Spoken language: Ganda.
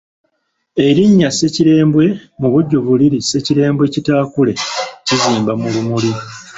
Erinnya Ssekirembwe mu bujjuvu liri Ssekirembwe kitaakule kizimba mu lumuli.